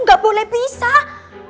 nggak boleh pisah